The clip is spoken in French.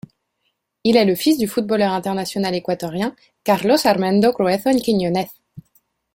Il est le fils du footballeur international équatorien Carlos Armando Gruezo Quiñónez.